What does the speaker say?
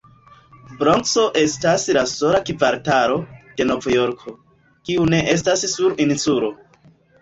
Bronkso estas la sola kvartalo de Novjorko, kiu ne estas sur insulo.